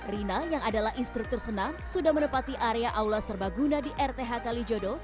rina yang adalah instruktur senam sudah menepati area aula serbaguna di rth kalijodo